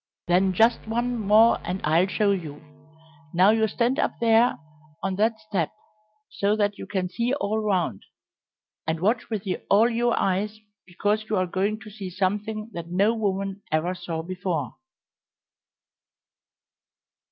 "Then just one more and I'll show you. Now you stand up there on that step so that you can see all round, and watch with all your eyes, because you are going to see something that no woman ever saw before."